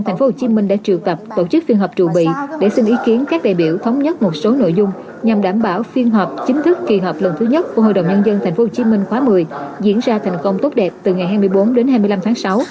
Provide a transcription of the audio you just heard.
tp hcm đã triều tập tổ chức phiên họp trụ bị để xin ý kiến các đại biểu thống nhất một số nội dung nhằm đảm bảo phiên họp chính thức kỳ họp lần thứ nhất của hội đồng nhân dân tp hcm khóa một mươi diễn ra thành công tốt đẹp từ ngày hai mươi bốn đến hai mươi năm tháng sáu